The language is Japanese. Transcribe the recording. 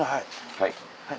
はい。